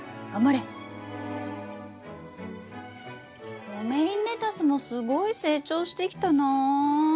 ロメインレタスもすごい成長してきたな。